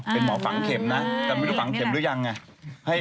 เป็นหมอฝังเข็มนะแต่ไม่รู้ฝังเข็มหรือยังไง